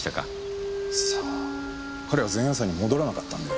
さあ彼は前夜祭に戻らなかったんで。